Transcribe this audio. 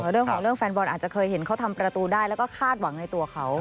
เรื่องของเรื่องแฟนบอลอาจจะเคยเห็นเขาทำประตูได้แล้วก็คาดหวังในตัวเขา